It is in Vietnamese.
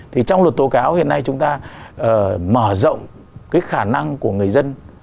thì trong luật tố cáo hiện nay chúng ta mở rộng cái khả năng của người dân